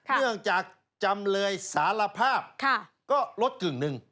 เนื่องจากจำเลยสารภาพก็ลดกึ่งหนึ่ง